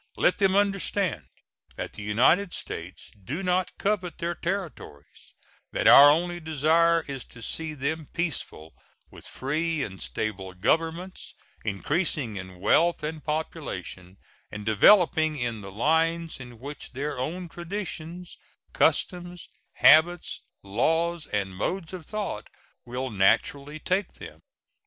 Let them understand that the United States do not covet their territories; that our only desire is to see them peaceful, with free and stable governments, increasing in wealth and population, and developing in the lines in which their own traditions, customs, habits, laws, and modes of thought will naturally take them.